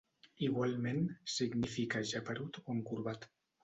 Igualment significa geperut o encorbat.